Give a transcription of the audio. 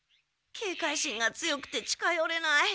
警戒心が強くて近よれない。